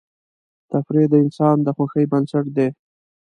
تفریح د انسان د خوښۍ بنسټ دی.